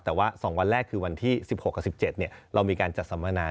แต่ว่า๒วันแรกคือวันที่๑๖กับ๑๗เรามีการจัดสัมมนา